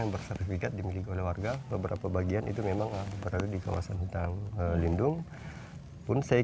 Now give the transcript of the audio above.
yang bersertifikat dimiliki oleh warga beberapa bagian itu memang berada di kawasan hutan lindung pun saya